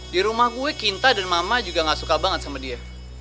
di rumah gue kinta dan mama juga gak suka banget sama dia